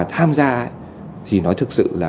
tham gia thì nói thực sự là